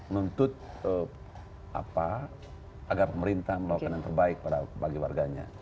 nuntut agar pemerintah melakukan yang terbaik bagi warganya